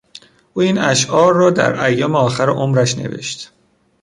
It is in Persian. او این اشعار را در ایام آخر عمرش نوشت.